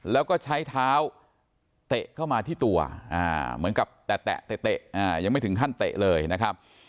แล้วก็ใช้เท้าเตะเข้ามาที่ตัวเหมือนกับแตะเตะยังไม่ถึงขั้นเตะเลยนะครับ